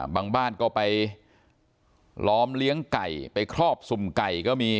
บางบ้านก็ไปล้อมเลี้ยงไก่ไปครอบสุ่มไก่ก็มี